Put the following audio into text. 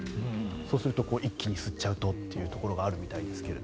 一気に吸っちゃうとというところがあるみたいですけど。